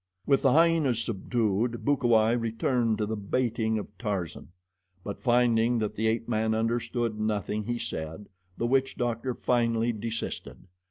With the hyenas subdued, Bukawai returned to the baiting of Tarzan; but finding that the ape man understood nothing he said, the witch doctor finally desisted.